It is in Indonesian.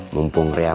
nah itu dia